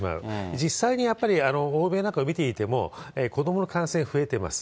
実際にやっぱり、欧米なんかを見ていても、子どもの感染増えてます。